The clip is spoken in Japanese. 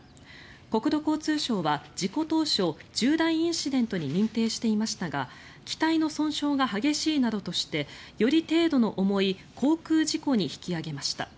国土交通省は事故当初重大インシデントに認定していましたが機体の損傷が激しいなどとしてより程度の重い航空事故に引き上げました。